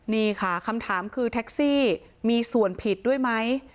นี่ค่ะคำถามคือแท็กซี่มีส่วนผิดด้วยไหม